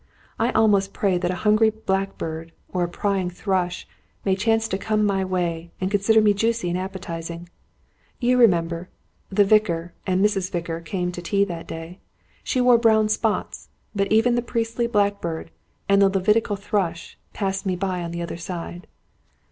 I almost pray that a hungry blackbird or a prying thrush may chance to come my way, and consider me juicy and appetising. You remember the Vicar and Mrs. Vicar came to tea that day. She wore brown spots. But even the priestly blackbird, and the Levitical thrush, passed me by on the other side."